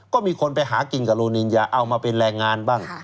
ก็มีคนไปหากินกับโรนินยาเอามาเป็นแรงงานบ้าง